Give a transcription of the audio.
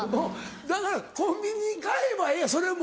だからコンビニに買えばええやんそれも。